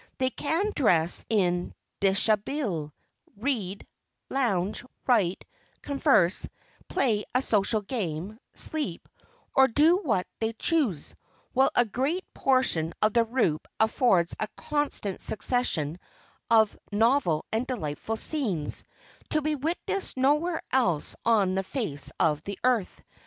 They can dress in dishabille, read, lounge, write, converse, play a social game, sleep, or do what they choose, while a great portion of the route affords a constant succession of novel and delightful scenes, to be witnessed nowhere else on the face of the earth.